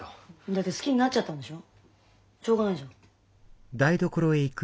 大好きになっちゃったんでしょ？